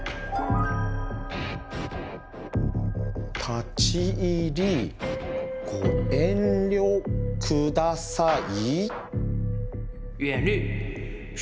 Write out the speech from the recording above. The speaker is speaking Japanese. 「立ち入りご遠慮ください」。